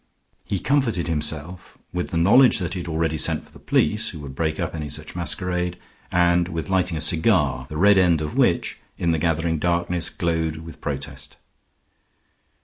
He comforted himself with the knowledge that he had already sent for the police, who would break up any such masquerade, and with lighting a cigar, the red end of which, in the gathering darkness, glowed with protest.